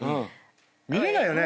見れないよね。